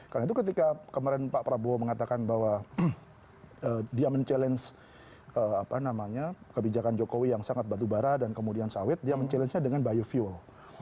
karena itu ketika kemarin pak prabowo mengatakan bahwa dia mencabar kebijakan jokowi yang sangat batu bara dan kemudian sawit dia mencabar dengan biofuel